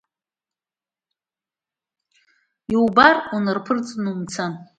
Иубар ус унарԥырҵны умцан…